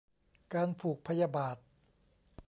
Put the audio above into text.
การผูกพยาบาท